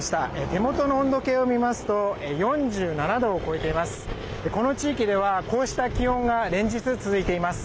手元の温度計を見ますと４７度を超えています。